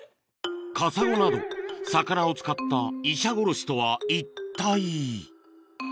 カサゴなど魚を使ったイシャゴロシとは一体？